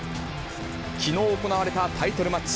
きのう行われたタイトルマッチ。